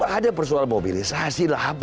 ada persoalan mobilisasi lah